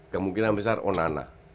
kemungkinan besar onana